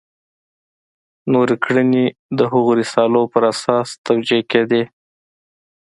نورې کړنې د هغو رسالو پر اساس توجیه کېدې.